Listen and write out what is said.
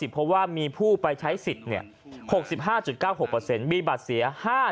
เพราะว่ามีผู้ไปใช้สิทธิ์๖๕๙๖มีบัตรเสีย๕๐๐